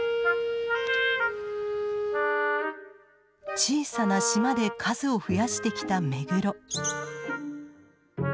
小さな島で数を増やしてきたメグロ。